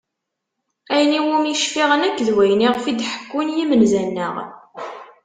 Ayen iwumi cfiɣ nekk d wayen iɣef i d-ḥekkun yimenza-nneɣ.